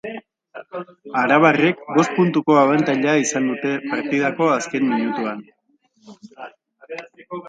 Arabarrek bost puntuko abantaila izan dute partidako azken minutuan.